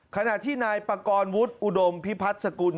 ขณะที่นายปากรวุฒิอุดมพิพัฒน์สกุล